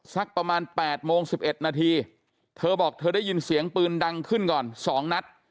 สักประมาณ๘โมง๑๑นาทีเธอบอกเธอได้ยินเสียงปืนดังขึ้นก่อน๒นัด